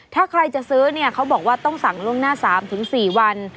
ถ้าใครจะซื้อเนี่ยเขาบอกว่าต้องสั่งล่วงหน้า๓๔วัน